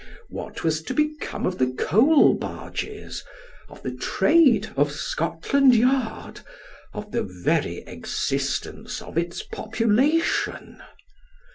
What was to become of the coal barges of tho trade of Scotland Yard of the very existence of its population